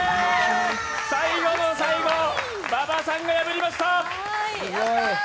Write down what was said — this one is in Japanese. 最後の最後、馬場さんが破りました。